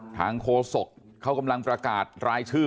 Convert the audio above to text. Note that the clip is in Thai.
โฆษกเขากำลังประกาศรายชื่อ